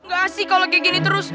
gak sih kalau kayak gini terus